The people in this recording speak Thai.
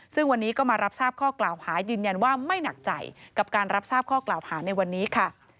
ซึ่งวันนี้ก็มารับทราบข้อกล่าวหายืนยันว่าไม่หนักใจกับการรับทราบข้อกล่าวหาในวันนี้ค่ะ